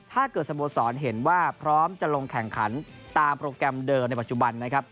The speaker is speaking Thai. ถ้าเกิดสมสอนเห็นว่าพร้อมจะลงแข่งขันตามโปรแกรมเดิมในปัจจุบัน